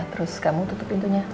terus kamu tutup pintunya